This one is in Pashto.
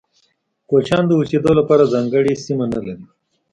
کوچيان د اوسيدو لپاره ځانګړي سیمه نلري.